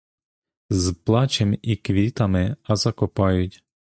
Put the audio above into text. З плачем і квітами, а закопають.